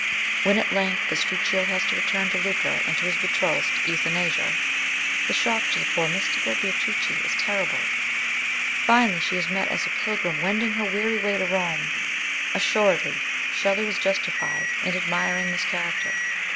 When at length Castruccio has to return to Lucca, and to his betrothed, Eutha nasia, the shock to the poor mystical Beatrice is terrible. Finally she is met as a pilgrim wending her weary way to Rome. Assuredly, Shelley was justified in admiring this character.